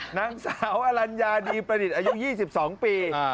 นางสาวอลัญญาดีประดิษฐ์อายุ๒๒ปี